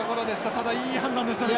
ただいい判断でしたね。